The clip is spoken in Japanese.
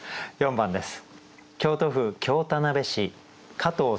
４番です。